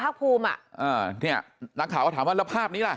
ภูมิอ่ะอ่าเนี่ยนักข่าวก็ถามว่าแล้วภาพนี้ล่ะ